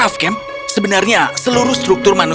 apakah kamu merasa merupakan orang semua ahli milik kamu